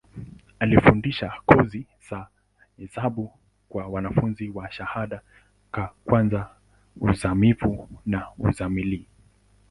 Alifundisha kozi za hesabu kwa wanafunzi wa shahada ka kwanza, uzamivu na uzamili.